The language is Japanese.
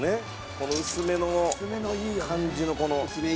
この薄めの感じのこの。